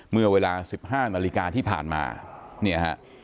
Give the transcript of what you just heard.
เมื่อเวลา๑๕นาฬิกาที่ผ่านมาเนี่ยฮะ